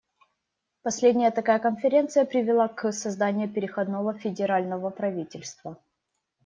Последняя такая конференция привела к созданию переходного федерального правительства.